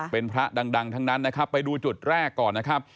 เป็นพระดังทั้งนั้นนะครับไปดูจุดแรกก่อนนะครับ